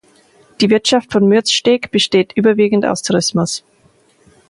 Die Wirtschaft von Mürzsteg besteht überwiegend aus Tourismus.